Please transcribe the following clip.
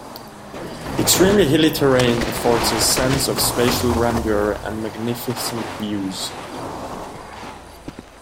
Extremely hilly terrain affords a sense of spatial grandeur and magnificent views.